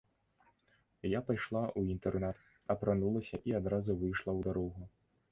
Я пайшла ў інтэрнат, апранулася і адразу выйшла ў дарогу.